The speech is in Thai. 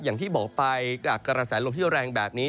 อย่างที่บอกไปจากกระแสลมที่แรงแบบนี้